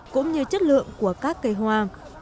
cũng như chất lượng của các cây hoa